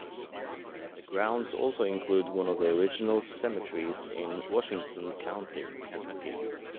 The grounds also include one of the original cemeteries in Washington County, Kentucky.